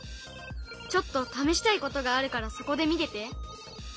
ちょっと試したいことがあるからそこで見てて。